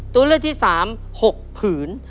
ตัวเลือดที่สาม๖ผืน